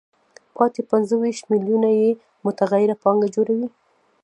پاتې پنځه ویشت میلیونه یې متغیره پانګه جوړوي